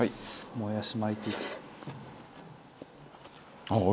もやし巻いて。